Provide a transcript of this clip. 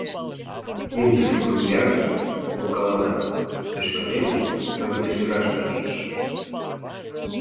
Кинде шуко кия гын, пуркалана; пешкыдемын, тыгыде шӱраш гай лиеш.